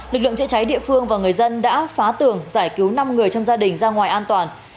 lực lượng chữa cháy địa phương và người dân đã phá tường giải cứu năm người trong gia đình ra ngoài an toàn